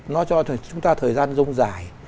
nó cho chúng ta thời gian dông dài